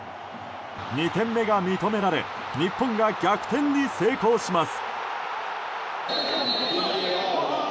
２点目が認められ日本が逆転に成功します。